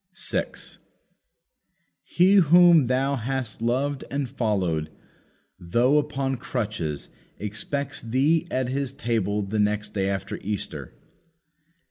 6. "He whom thou hast loved and followed, though upon crutches, expects thee at His table the next day after Easter."